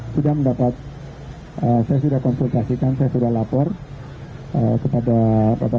secara ketiga samudin yang selalu membiarkan anak flour nei untuk avec ph chocolate